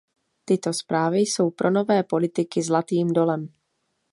Tyto zprávy jsou pro nové politiky zlatým dolem.